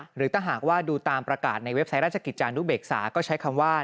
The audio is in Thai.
หรือถ้าหากว่าดูตามประกาศในเว็บไซต์ราชกิจจานุเบกษาก็ใช้คำว่า